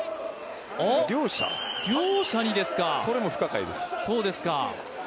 両者、これも不可解です。